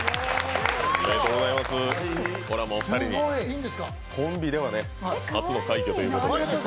これはお二人に、コンビでは初の快挙ということで。